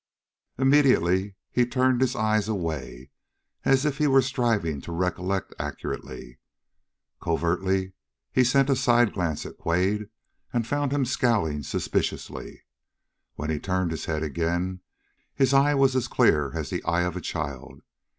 Immediately he turned his eyes away, as if he were striving to recollect accurately. Covertly he sent a side glance at Quade and found him scowling suspiciously. When he turned his head again, his eye was as clear as the eye of a child.